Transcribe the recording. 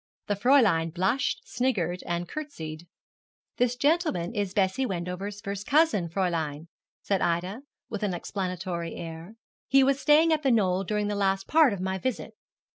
The Fräulein blushed, sniggered, and curtseyed. 'This gentleman is Bessie Wendover's first cousin, Fräulein,' said Ida, with an explanatory air. 'He was staying at The Knoll during the last part of my visit.'